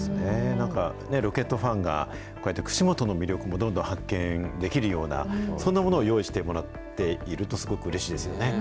なんかロケットファンが、こうやって串本の魅力もどんどん発見できるような、そんなものを用意してもらっているとすごくうれしいですよね。